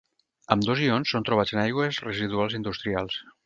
Ambdós ions són trobats en aigües residuals industrials.